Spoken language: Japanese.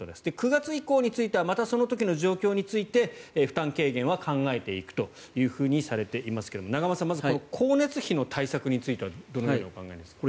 ９月以降についてはまたその時の状況について負担軽減は考えていくとされていますが永濱さん、まずこの光熱費の対策についてはどのようにお考えですか？